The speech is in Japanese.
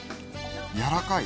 やわらかい。